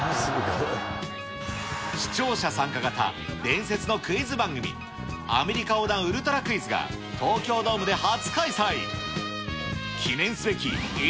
視聴者参加型伝説のクイズ番組、アメリカ横断ウルトラクイズが、東京ドームで初開催。